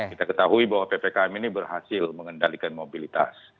kondisi bahwa ppkm ini berhasil mengendalikan mobilitas